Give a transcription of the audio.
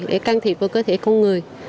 để can thiệp vào cơ thể con người